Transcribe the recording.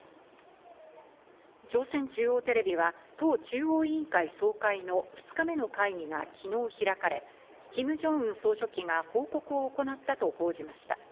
朝鮮中央テレビは党中央委員会総会の２日目の会議が昨日開かれ、キム・ジョンウン総書記が報告を行ったと報じました。